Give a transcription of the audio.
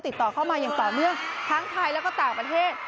ติดต่อเข้ามาอย่างต่อเนื่องทั้งไทยแล้วก็ต่างประเทศ